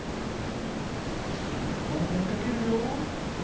いっしょにおまじないかけるよ。